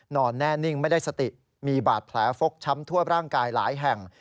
นอนแน่นิ่งไม่ได้สติมีบาดแผลฟกช้ำทั่วร่างกายหลายแห่ง